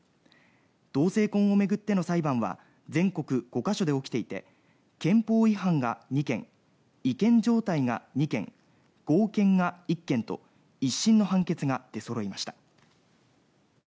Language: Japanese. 同性婚を巡っての裁判は全国５か所で起きていて憲法違反が２件違憲状態が２件合憲が１件と１審の判決が出そろいました。